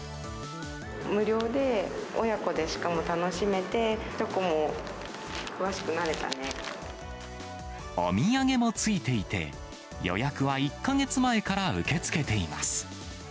無料で親子でしかも楽しめて、お土産もついていて、予約は１か月前から受け付けています。